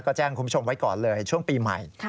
ก็แจ้งคุณผู้ชมไว้ก่อนเลยช่วงปีใหม่